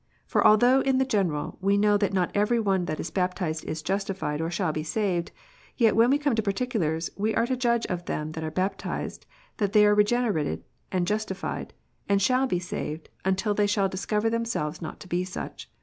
For although in the general we know that not every one that is baptized is justified or shall be saved, yet when we come to particulars, we are to judge of them that are baptized that they are regenerated and justified, and shall be saved, until they shall discover themselves not to be such.